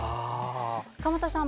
鎌田さん